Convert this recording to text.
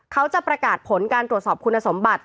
เขาจะประกาศผลการตรวจสอบคุณสมบัติ